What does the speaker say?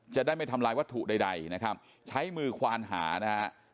จะได้ไม่ทำลายวัตถุใดนะครับใช้มือควานหานะฮะ